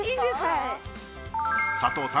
佐藤さん